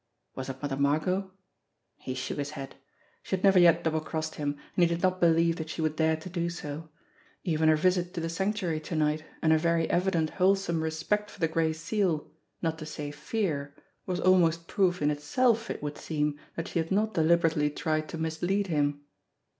Was it Mother Margot? He shook his head. She had never yet double crossed him, and he did not believe that she would dare to do so. Even her visit to the Sanctuary to night, and her very evident wholesome respect for the Gray Seal, not to say fear, was almost proof in itself, it would seem, that she had not deliberately tried to mislead him.